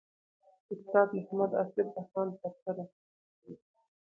استاد محمد اصف بهاند ترسره کړی.